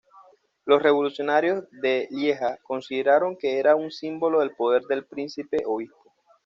Los revolucionarios de Lieja consideraron que era un símbolo del poder del príncipe obispo.